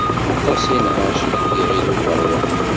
Aṭas i nɛac di Yiɣil Ubeṛwaq.